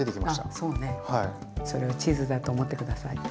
それをチーズだと思って下さい。